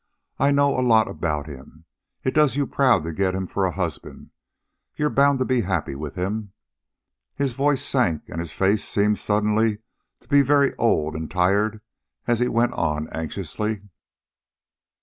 I know a lot about him. It does you proud to get him for a husband. You're bound to be happy with him..." His voice sank, and his face seemed suddenly to be very old and tired as he went on anxiously.